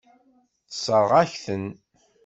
Tessṛeɣ-ak-ten.